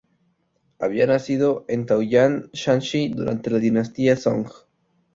Había nacido en Taiyuan, Shanxi durante la dinastía Song.